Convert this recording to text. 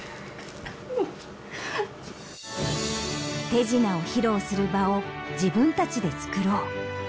手品を披露する場を自分たちでつくろう。